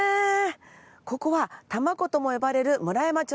ここは多摩湖とも呼ばれる村山貯水池。